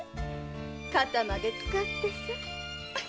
肩までつかってさ。